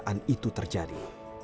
lihatlah apa yang terjadi